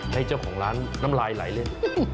ให้เจ้าของร้านน้ำลายไหลเลย